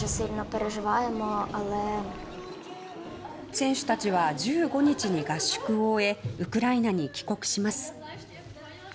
選手たちは１５日に合宿を終えウクライナに帰国します。